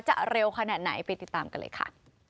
จะเร็วขนาดไหนไปติดตามกันเลยค่ะ